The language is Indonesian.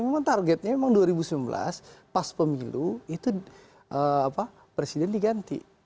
memang targetnya memang dua ribu sembilan belas pas pemilu itu presiden diganti